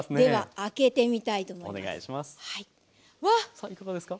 さあいかがですか？